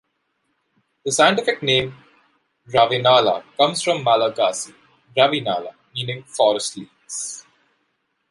The scientific name "Ravenala" comes from Malagasy "ravinala" meaning "forest leaves".